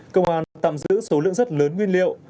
công an tạm giữ số lượng rất lớn nguyên liệu